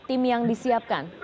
tim yang disiapkan